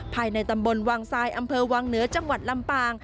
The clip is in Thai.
ภายในตำบลวังทรายอำเภอวังเหนือจังหวัดลำปาง